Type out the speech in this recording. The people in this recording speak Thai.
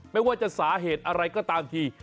ไม่ว่าจะสาเหตุอะไรก็ตามที